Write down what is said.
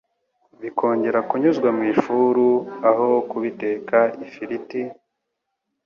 bikongera kunyuzwa mu ifuru, aho kubiteka ifiriti,